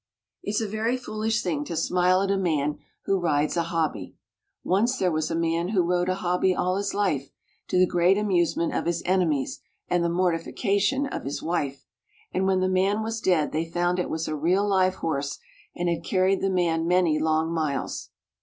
It's a very foolish thing to smile at a man who rides a hobby. Once there was a man who rode a hobby all his life, to the great amusement of his enemies and the mortification of his wife; and when the man was dead they found it was a real live horse and had carried the man many long miles.